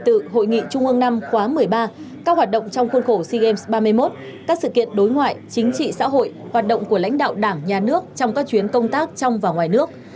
hội nghị trung ương năm khóa một mươi ba các hoạt động trong khuôn khổ sea games ba mươi một các sự kiện đối ngoại chính trị xã hội hoạt động của lãnh đạo đảng nhà nước trong các chuyến công tác trong và ngoài nước